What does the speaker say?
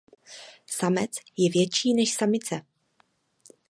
Samec je větší než samice.